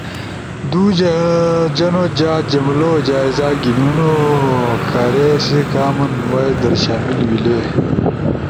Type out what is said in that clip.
دُو جنو جا جملوؤ جائزہ گھینونو کیرے سی کامن وائس در شامل ویلے۔